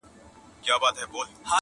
رسنۍ راپورونه جوړوي او خلک پرې خبري کوي,